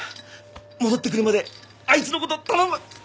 戻ってくるまであいつの事頼む！